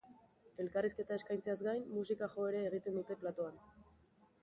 Elkarrizketa eskaintzeaz gain, musika jo ere egingo dute platoan.